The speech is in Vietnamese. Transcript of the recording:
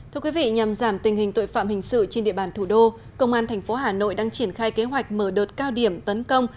thưa quý vị nhằm giảm tình hình tội phạm hình sự trên địa bàn thủ đô công an thành phố hà nội đang triển khai kế hoạch mở đợt cao điểm tấn công